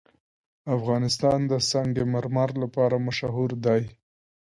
افغانستان د سنگ مرمر لپاره مشهور دی.